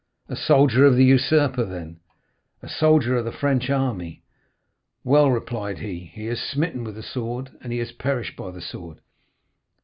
"'A soldier of the usurper, then?' "'A soldier of the French army.' "'Well,' replied he, 'he has smitten with the sword, and he has perished by the sword.